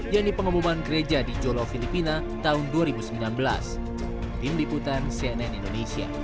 yaitu pengumuman gereja di jolo filipina tahun dua ribu sembilan belas